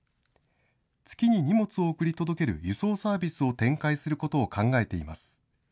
月に荷物を送り届ける輸送サービスを展開することを考えています。